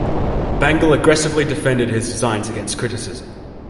Bangle aggressively defended his designs against criticism.